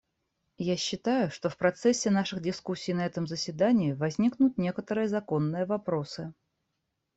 Я считаю, что в процессе наших дискуссий на этом заседании возникнут некоторые законные вопросы.